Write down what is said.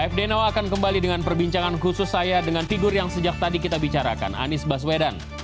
fd now akan kembali dengan perbincangan khusus saya dengan figur yang sejak tadi kita bicarakan anies baswedan